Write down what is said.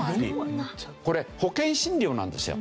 これ保険診療なんですよ。